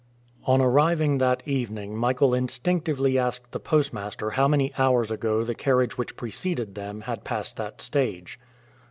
On arriving that evening Michael instinctively asked the postmaster how many hours ago the carriage which preceded them had passed that stage.